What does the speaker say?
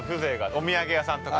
お土産屋さんとか。